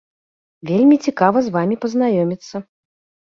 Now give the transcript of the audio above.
Вельмі цікава з вамі пазнаёміцца!